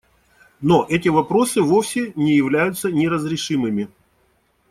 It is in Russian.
Но эти вопросы вовсе не являются неразрешимыми.